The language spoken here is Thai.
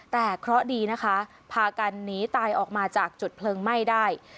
แต่เคราะห์ดีนะคะพากันหนีตายออกมาจากจุดเพลิงไหม้ได้